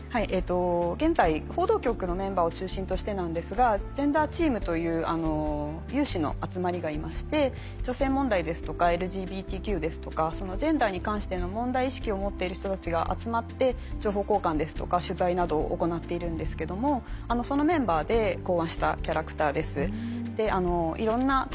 現在報道局のメンバーを中心としてなんですがジェンダーチームという有志の集まりがいまして女性問題ですとかＬＧＢＴＱですとかそのジェンダーに関しての問題意識を持っている人たちが集まって情報交換ですとか取材などを行っているんですけどもそのメンバーで考案したキャラクターです。